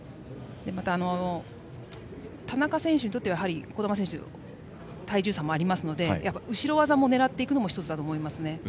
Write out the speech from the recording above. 田中選手にとっては児玉選手、体重差もあるので後ろ技を狙っていくのも１つだと思いますね。